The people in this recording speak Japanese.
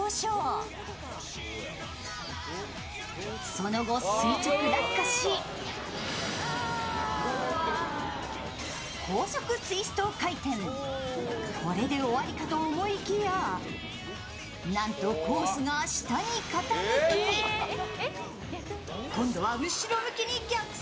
その後、垂直落下しこれで終わりかと思いきやなんとコースが下に傾き今度は後ろ向きに逆走。